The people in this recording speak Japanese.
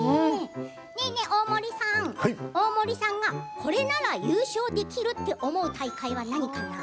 ねえねえ、大森さんがこれなら優勝できると思う大会は何かな？